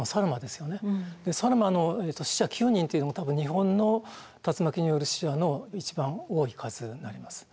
佐呂間の死者９人というのも多分日本の竜巻による死者の一番多い数になります。